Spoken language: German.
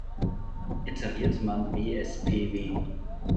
Iteriert man bspw.